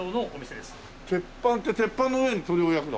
鉄板って鉄板の上で鳥を焼くの？